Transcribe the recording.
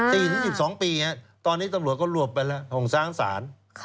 ๔ถึง๑๒ปีตอนนี้ตำรวจก็ลวบไปละตรงสร้างสาร